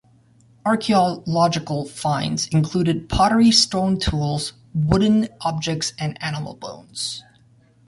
Archeological finds included pottery, stone tools, wooden objects and animal bones.